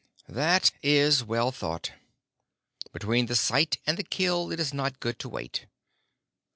"That is well thought. Between the sight and the kill it is not good to wait.